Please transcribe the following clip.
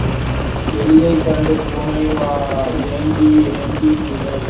எலியைக் கண்டு பூனை ஏங்கி ஏங்கிக் கிடக்குமோ?